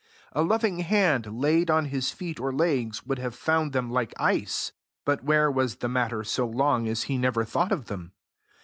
A loving hand laid on his feet or legs would have found them like ice; but where was the matter so long as he never thought of them?